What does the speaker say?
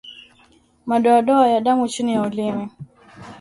Madoadoa ya damu chini ya ulimi